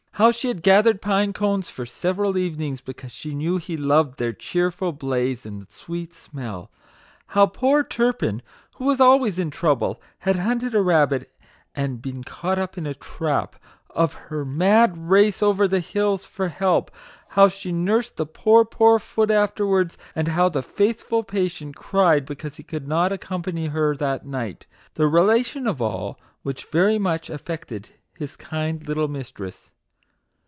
How she had gathered pine cones for several evenings, be cause she knew he loved their cheerful blaze and sweet smell. How poor Turpin, who was always in trouble, had hunted a rabbit, and MAGIC WORDS. 13 been caught in a trap ; of her mad race over the hills for help ; how she nursed the poor, poor foot afterwards ; and how the faithful patient cried because he could not accompany her that night ; the relation of all which very much affected his kind little mistress.